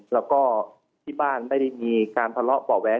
แล้วก็ที่บ้านไม่ได้มีการทะเลาะเบาะแว้